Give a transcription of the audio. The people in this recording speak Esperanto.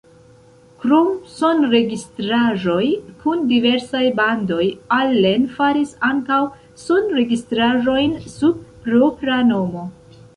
Krom sonregistraĵoj kun diversaj bandoj Allen faris ankaŭ sonregistraĵojn sub propra nomo.